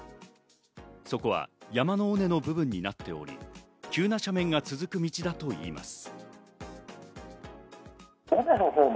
そこは山の尾根の部分になっている急な斜面が続く道だといいます。